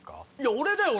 俺だよ俺！